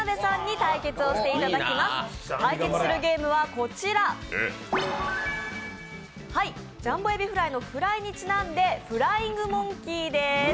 対決するゲームはこちら、ジャンボ海老フライのフライにちなんで「フライングモンキー」です。